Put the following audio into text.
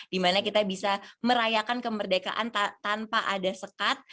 dimana kita bisa merayakan kemerdekaan tanpa ada sekat